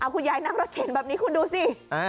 คุณยายนั่งรถเข็นแบบนี้คุณดูสิ